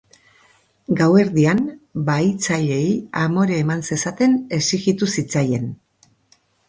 Gauerdian, bahitzaileei amore eman zezaten exijitu zitzaien.